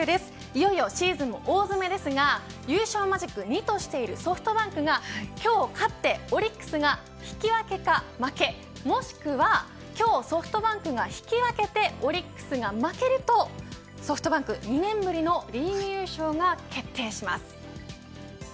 いよいよシーズン大詰めですが優勝マジック２としているソフトバンクが今日勝ってオリックスが引き分けか負けもしくは今日ソフトバンクが引き分けてオリックスが負けるとソフトバンク２年ぶりのリーグ優勝が決定します。